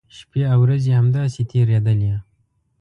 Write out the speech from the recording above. شپی او ورځې همداسې تېریدلې.